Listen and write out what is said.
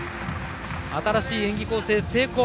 新しい演技構成は成功。